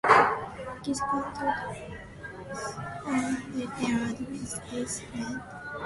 Mexican tortas are prepared with this bread.